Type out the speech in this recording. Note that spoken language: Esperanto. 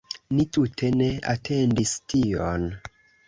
Ni tute ne atendis tion